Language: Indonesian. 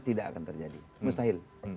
tidak akan terjadi mustahil